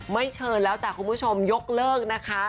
ไม่เชิญแล้วจ้ะคุณผู้ชมยกเลิกนะคะ